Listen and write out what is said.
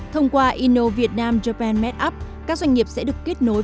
thông qua innovietnam japan medapp các doanh nghiệp sẽ được kết nối